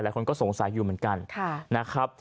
หลายคนก็สงสัยอยู่เหมือนกัน